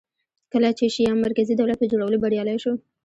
کله چې شیام مرکزي دولت په جوړولو بریالی شو